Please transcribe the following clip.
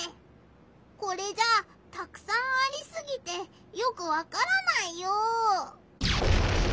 これじゃたくさんありすぎてよくわからないよ！